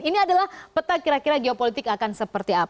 ini adalah peta kira kira geopolitik akan sepertimbangkan